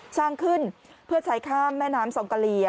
สร้างขึ้นเพื่อใช้ข้ามแม่น้ำซองกะเลีย